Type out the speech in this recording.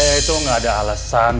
saya itu gak ada alasan